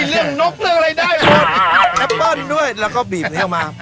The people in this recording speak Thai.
เรื่องนกเรื่องอะไรได้หมดแอปเปิ้ลด้วยแล้วก็บีบเนื้อมา